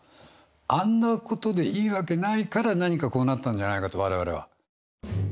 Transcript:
あんなことでいいわけないから何かこうなったんじゃないかと我々は。